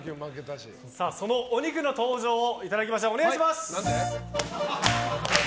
そのお肉登場していただきましょう。